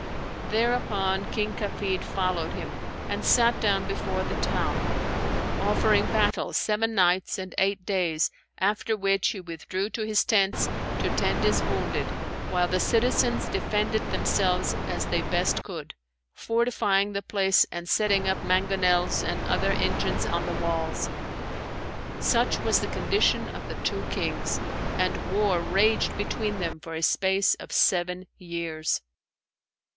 Thereupon King Kafid followed him and sat down before the town; offering battle seven nights and eight days, after which he withdrew to his tents, to tend his wounded while the citizens defended themselves as they best could, fortifying the place and setting up mangonels and other engines on the walls. Such was the condition of the two Kings, and war raged between them for a space of seven years."